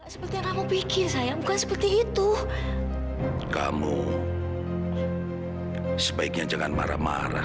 sampai jumpa di video selanjutnya